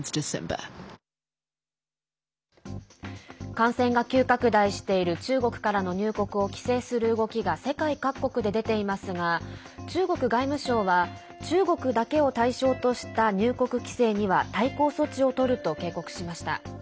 感染が急拡大している中国からの入国を規制する動きが世界各国で出ていますが中国外務省は中国だけを対象とした入国規制には対抗措置をとると警告しました。